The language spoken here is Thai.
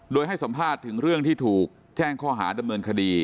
โดยให้สัมภาษณ์ถึงเรื่องที่ถูกแจ้งข้อหาดำเนินคดี